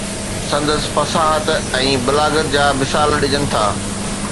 سندس فصاحت ۽ بلاغت جا مثال ڏجن ٿا.